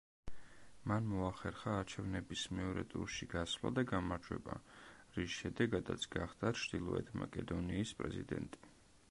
მან მოახერხა არჩევნების მეორე ტურში გასვლა და გამარჯვება, რის შედეგადაც გახდა ჩრდილოეთ მაკედონიის პრეზიდენტი.